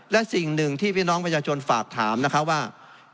และสิ่งหนึ่งที่พี่น้องประชาชนฝากถามนะคะว่า